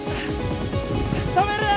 止めるな！